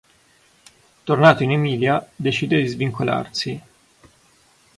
Tornato in Emilia, decide di svincolarsi.